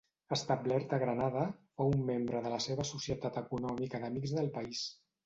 Establert a Granada, fou membre de la seva Societat Econòmica d'Amics del País.